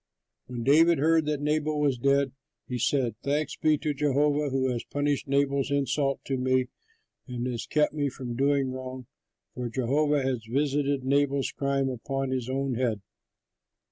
When David heard that Nabal was dead, he said, "Thanks be to Jehovah who has punished Nabal's insult to me and has kept me from doing wrong, for Jehovah has visited Nabal's crime upon his own head."